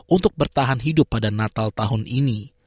untuk bertahan hidup pada natal tahun ini